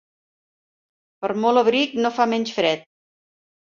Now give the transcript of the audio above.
Per molt abric no fa menys fred.